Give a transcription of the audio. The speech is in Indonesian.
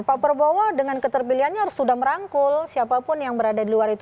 pak prabowo dengan keterpilihannya harus sudah merangkul siapapun yang berada di luar itu